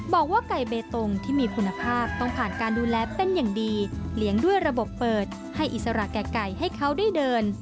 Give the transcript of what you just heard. บอกว่าไก่เบตงที่มีคุณภาพต้องผ่านการดูแลเป็นอย่างดีเลี้ยงด้วยระบบเปิดให้อิสระแก่ไก่ให้เขาได้เดิน